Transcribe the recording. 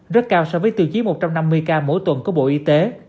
rất cao so với tiêu chí một trăm năm mươi ca mỗi tuần của bộ y tế